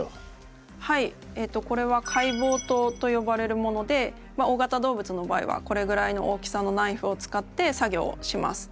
これは解剖刀と呼ばれるもので大型動物の場合はこれぐらいの大きさのナイフを使って作業をします。